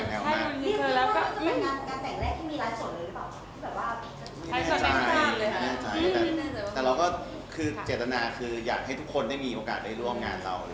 นี่คุณจะเป็นหนังการแต่งแรกที่มีรายส่วนเลยหรือเปล่า